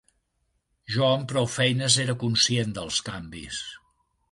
Jo amb prou feines era conscient dels canvis